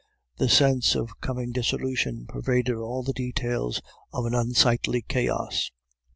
The sense of coming dissolution pervaded all the details of an unsightly chaos.